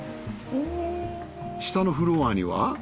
下のフロアには。